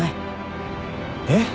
えっ？